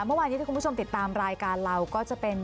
เมื่อวานนี้ที่คุณผู้ชมติดตามรายการเราก็จะเป็น